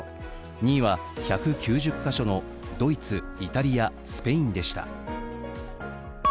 ２位は１９０か所のドイツ、イタリア、スペインでした。